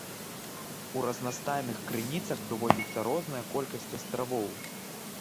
У разнастайных крыніцах прыводзіцца розная колькасць астравоў.